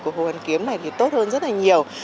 của hồ hoàn kiếm này thì tốt hơn rất là nhiều